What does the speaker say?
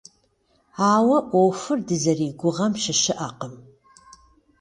Ауэ ӏуэхур дызэригугъэм щыщыӏэкъым.